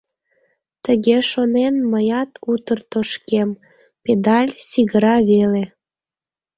Тыге шонен, мыят утыр тошкем, педаль сигыра веле.